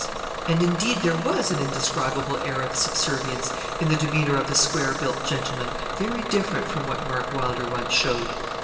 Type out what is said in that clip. And indeed there was an indescribable air of subservience in the demeanour of the square built gentleman very different from what Mark Wylder once showed.